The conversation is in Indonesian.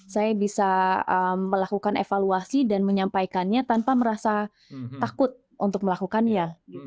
saya bisa melakukan evaluasi dan menyampaikannya tanpa merasa takut untuk melakukannya